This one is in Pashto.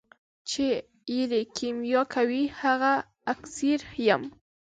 چي ایرې کېمیا کوي هغه اکسیر یم.